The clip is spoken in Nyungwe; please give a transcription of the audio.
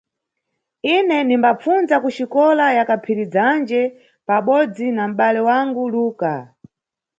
Ine nimbapfundza kuxikola ya Kaphirizanje pabodzi na mʼbale wangu Luka.